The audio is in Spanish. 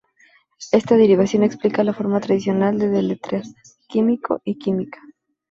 Esta derivación explica la forma tradicional de deletrear "químico" y "química".